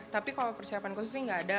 tapi kalau persiapan khusus sih nggak ada